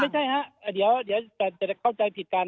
ไม่ใช่ฮะเดี๋ยวจะเข้าใจผิดกัน